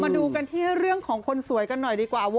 ดูเรื่องของคนสวยกันหน่อยดีกว่า